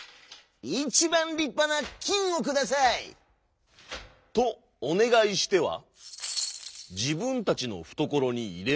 「いちばんりっぱなきんをください」。とおねがいしてはじぶんたちのふところにいれました。